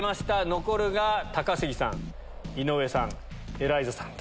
残るが高杉さん井上さんエライザさん。